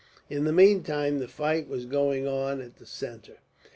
In the meantime, the fight was going on at the centre.